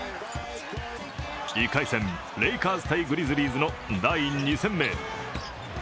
１回戦、レイカーズ×グリズリーズの第２戦目。